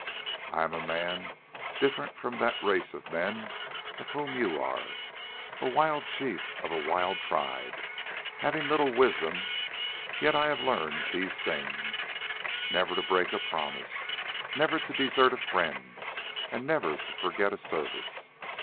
I am a man different from that race of men of whom you are, a wild chief of a wild tribe, having little wisdom; yet I have learned these things—never to break a promise, never to desert a friend, and never to forget a service.